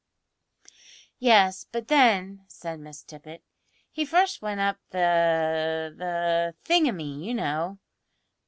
"Yes; but then," said Miss Tippet, "he first went up the the thingumy, you know."